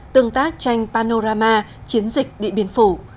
tương tác tranh panorama chiến dịch điện biên phủ